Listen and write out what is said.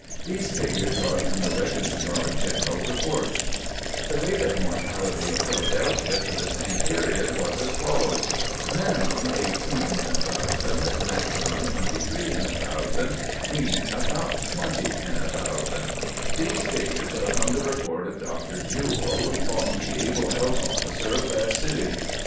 These figures are from the Registrar General Reports. The rate of mortality of Philadelphia for the same period was as follows: Minimum 18 in 1,000, maximum 23 in 1,000, mean about 20 in 1,000. These figures are from the report of Dr. Jewell, long the able Health Officer of that city.